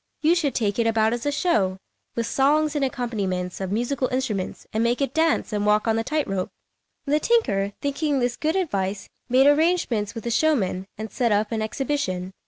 You should take it about as a show, with songs and accompaniments of musical instruments, and make it dance and walk on the tight rope." [Illustration: THE ACCOMPLISHED AND LUCKY TEA KETTLE.] The tinker, thinking this good advice, made arrangements with a showman, and set up an exhibition.